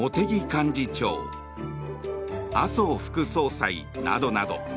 幹事長麻生副総裁などなど。